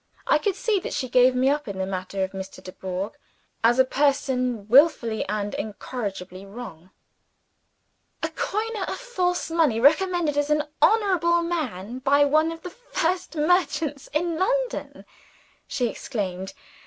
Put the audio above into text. I could see that she gave me up, in the matter of Mr. Dubourg, as a person willfully and incorrigibly wrong. "A coiner of false money, recommended as an honorable man by one of the first merchants in London!" she exclaimed.